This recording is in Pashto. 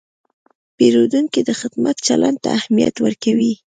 پیرودونکی د خدمت چلند ته اهمیت ورکوي.